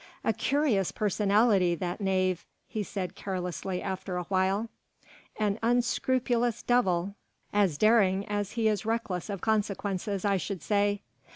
"A curious personality, that knave," he said carelessly after awhile, "an unscrupulous devil as daring as he is reckless of consequences I should say